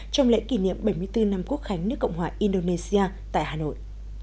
trong lễ kỷ niệm bảy mươi bốn năm quốc khánh nước cộng hòa indonesia tại hà nội